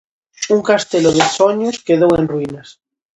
Un castelo de soños quedou en ruínas.